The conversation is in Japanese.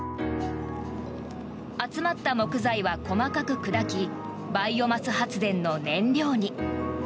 集まった木材は細かく砕きバイオマス発電の燃料に。